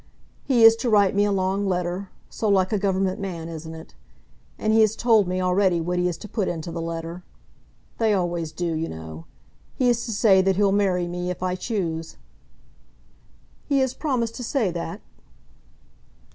He is to write me a long letter; so like a Government man, isn't it? And he has told me already what he is to put into the letter. They always do, you know. He is to say that he'll marry me if I choose." "He has promised to say that?"